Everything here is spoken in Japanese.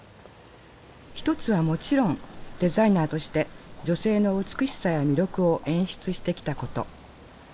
一つはもちろんデザイナーとして女性の美しさや魅力を演出してきたこと。